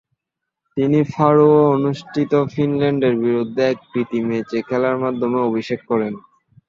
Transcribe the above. তিনি ফারোয় অনুষ্ঠিত ফিনল্যান্ডের বিরুদ্ধে এক প্রীতি ম্যাচে খেলার মাধ্যমে অভিষেক করেন।